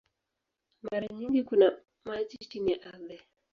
Mara nyingi kuna maji chini ya ardhi.